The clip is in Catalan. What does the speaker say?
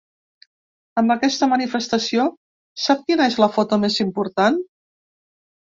Amb aquesta manifestació, sap quina és la foto més important?